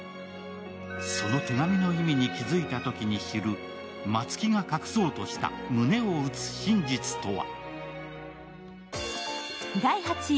その手紙の意味に気づいたときに知る松木が隠そうとして胸を打つ真実とは。